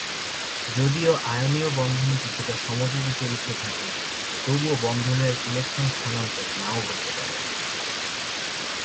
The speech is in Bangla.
যদিও আয়নীয় বন্ধনে কিছুটা সমযোজী চরিত্র থাকে, তবুও বন্ধনের ইলেক্ট্রন স্থানান্তর নাও ঘটতে পারে।